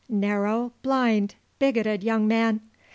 Narrow, blind, bigoted young man.